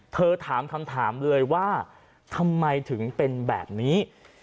ถามคำถามเลยว่าทำไมถึงเป็นแบบนี้